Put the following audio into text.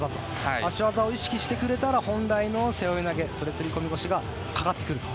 足技を意識してくれたら本来の背負い投げ袖釣り込み腰がかかってくると。